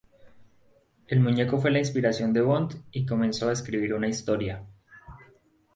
El muñeco fue la inspiración de Bond y comenzó escribir una historia.